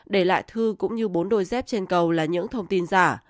để lại thư cũng như bốn đôi dép trên cầu là những thông tin giả